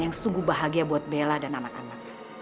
yang sungguh bahagia buat bella dan anak anak